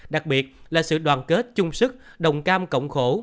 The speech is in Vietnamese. đặc biệt là sự đoàn kết chung sức đồng cam cộng khổ